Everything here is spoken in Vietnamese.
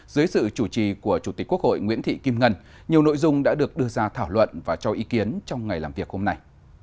dưới sự chủ trì của chủ tịch quốc hội nguyễn thị kim ngân nhiều nội dung đã được đưa ra thảo luận và cho ý kiến trong ngày làm việc hôm nay